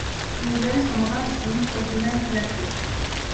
Les ailes sont brun sombre, de même que la queue.